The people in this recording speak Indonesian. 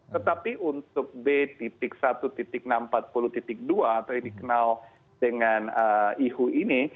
tetapi untuk b satu enam ratus empat puluh dua atau yang dikenal dengan ihu ini